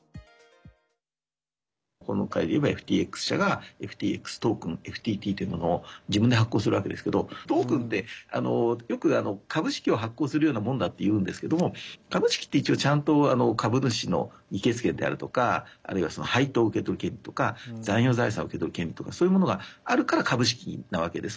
今回でいえばＦＴＸ社がＦＴＸトークンＦＴＴというものを自分で発行するわけですけどトークンってよく株式を発行するようなもんだっていうんですけども株式って、一応ちゃんと株主の議決権であるとかあるいは配当を受け取る権利とか残余財産を受け取る権利とかそういうものがあるから株式なわけです。